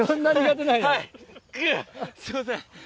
すいません。